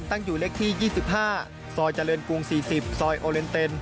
ตั้งอยู่เลขที่๒๕ซอยเจริญกรุง๔๐ซอยโอเลนเต็น